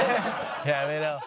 やめろ。